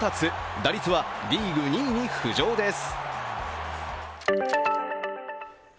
打率はリーグ２位に浮上です。